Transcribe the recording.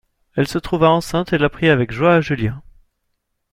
Elle se trouva enceinte et l'apprit avec joie à Julien.